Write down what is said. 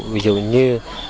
ví dụ như